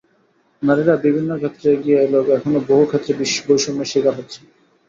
নারীরা বিভিন্ন ক্ষেত্রে এগিয়ে এলেও এখনো বহু ক্ষেত্রে বৈষম্যের শিকার হচ্ছে।